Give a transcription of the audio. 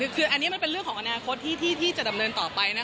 คืออันนี้มันเป็นเรื่องของอนาคตที่จะดำเนินต่อไป